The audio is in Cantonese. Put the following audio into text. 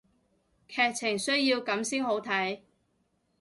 劇情需要噉先好睇